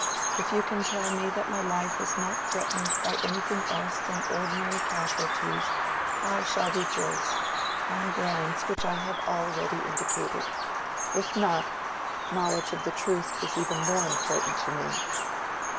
If you can tell me that my life is not threatened by anything else than ordinary casualties, I shall rejoice, on grounds which I have already indicated. If not, knowledge of the truth is even more important to me."